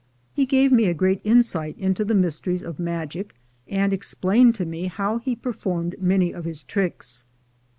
He gave me a great insight into the mysteries of magic, and explained to me how he performed many of his tricks.